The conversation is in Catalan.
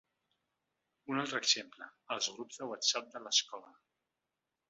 Un altre exemple: els grups de whatsapp de l’escola.